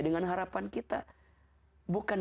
dengan harapan kita bukan